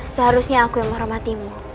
seharusnya aku yang menghormatimu